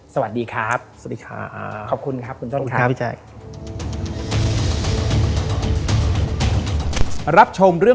สวัสดีครับ